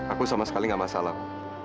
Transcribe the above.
aku sama sekali gak masalah aku